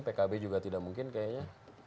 pkb juga tidak mungkin kayaknya